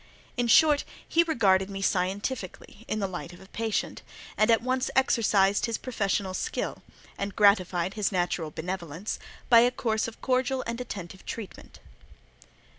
In short, he regarded me scientifically in the light of a patient, and at once exercised his professional skill, and gratified his natural benevolence, by a course of cordial and attentive treatment.